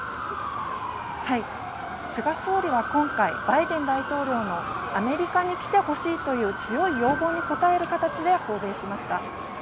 菅総理は今回バイデン大統領のアメリカに来てほしいという強い要望に応える形で訪米しました。